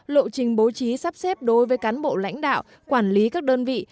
lộ trình bố trí sắp xếp đối với cán bộ lãnh đạo quản lý các đơn vị